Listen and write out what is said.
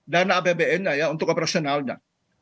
dana apbn nya ya untuk operasionalnya